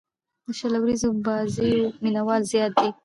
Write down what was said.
د شل اووريزو بازيو مینه وال زیات دي.